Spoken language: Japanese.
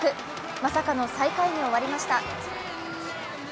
まさかの最下位に終わりました。